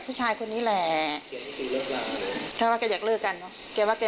สู่ห้องผู้แต่และสถานที่